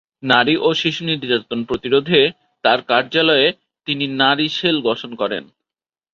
নারী ও শিশু নির্যাতন প্রতিরোধে তার কার্যালয়ে তিনি নারী সেল গঠন করেন।